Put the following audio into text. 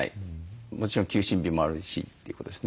もちろん休診日もあるしということですね。